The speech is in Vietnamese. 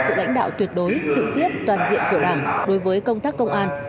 sự lãnh đạo tuyệt đối trực tiếp toàn diện của đảng đối với công tác công an